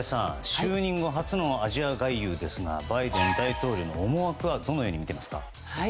就任後初のアジア外遊ですがバイデン大統領の思惑はどのようにみていますか？